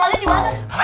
bang mali dimana